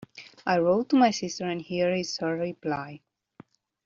I wrote to my sister, and here is her reply.